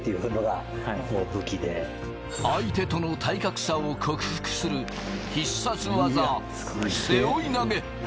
相手との体格差を克服する必殺技・背負投。